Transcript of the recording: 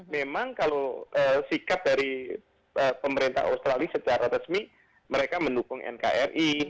memang kalau sikap dari pemerintah australia secara resmi mereka mendukung nkri